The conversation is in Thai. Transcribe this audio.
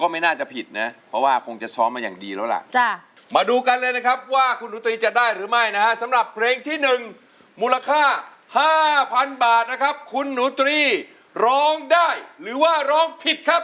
มาดูกันเลยนะครับว่าคุณหนูตรีจะได้หรือไม่สำหรับเพลงที่๑มูลค่า๕๐๐๐บาทนะครับคุณหนูตรีร้องได้หรือว่าพิษครับ